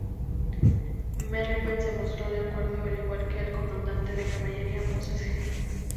Merriman se mostró de acuerdo, al igual que el comandante de caballería, Moses Hill.